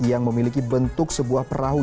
yang memiliki bentuk sebuah perahu